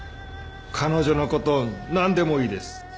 彼女のこと何でもいいです